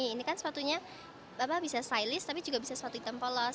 ini kan sepatunya bisa stylist tapi juga bisa sepatu hitam polos